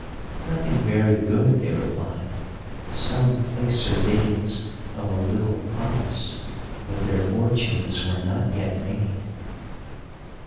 Nothing very good, they replied. Some placer diggings of a little promise, but their fortunes were not yet made.